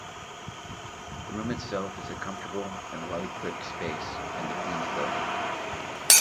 The Room itself is a comfortable and well equipped space in the Queen's Building.